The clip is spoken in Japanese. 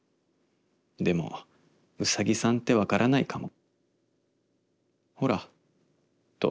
でもうさぎさんってわからないかも』」。